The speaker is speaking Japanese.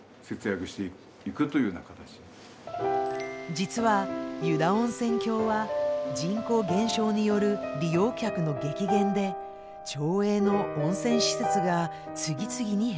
実は湯田温泉峡は人口減少による利用客の激減で町営の温泉施設が次々に閉館。